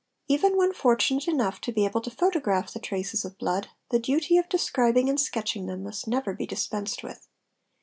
Even when fortunate enough to be able to photograph the traces of blood, the duty of describ ing and sketching them must never be dispensed with.